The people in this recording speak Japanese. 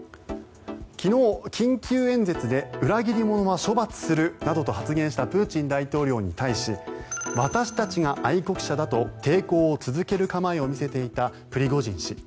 昨日、緊急演説で裏切り者は処罰するなどと発言したプーチン大統領に対し私たちが愛国者だと抵抗を続ける構えを見せていたプリゴジン氏。